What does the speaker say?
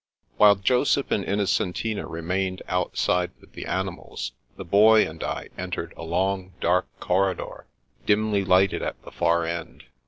While Joseph and Innocentina remained outside with the animals^ the Boy and I entered a long, dark corridor, dimly lighted at the far end.